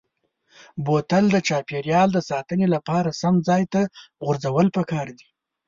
بوتل د چاپیریال د ساتنې لپاره سم ځای ته غورځول پکار دي.